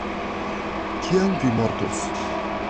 Kiam vi mortos?